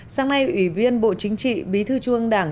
sáng nay ủy viên bộ chính trị bí thư chuông đảng